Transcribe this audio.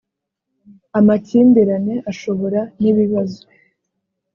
amakimbirane ashobora nibibazo.